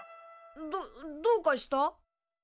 どどうかした？